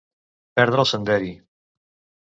Perdre el senderi.